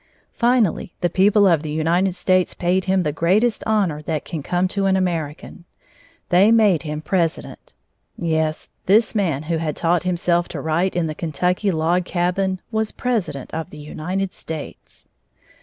Finally the people of the United States paid him the greatest honor that can come to an American. They made him President. Yes, this man who had taught himself to write in the Kentucky log cabin was President of the United States!